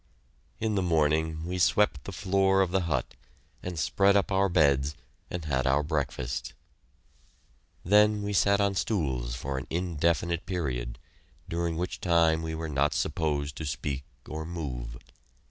In the morning we swept the floor of the hut, and spread up our beds and had our breakfast. Then we sat on stools for an indefinite period, during which time we were not supposed to speak or move.